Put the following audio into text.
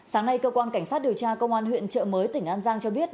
sáng nay cơ quan cảnh sát điều tra công an huyện trợ mới tỉnh an giang cho biết